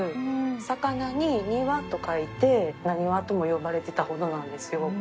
魚に庭と書いて「なにわ」とも呼ばれてたほどなんですよ。